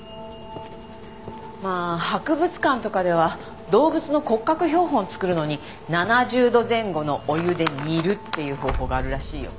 まあ博物館とかでは動物の骨格標本作るのに７０度前後のお湯で煮るっていう方法があるらしいよ。